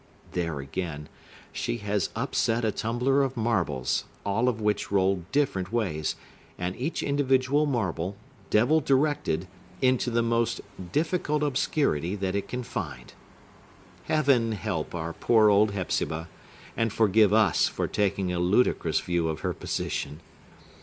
There, again, she has upset a tumbler of marbles, all of which roll different ways, and each individual marble, devil directed, into the most difficult obscurity that it can find. Heaven help our poor old Hepzibah, and forgive us for taking a ludicrous view of her position!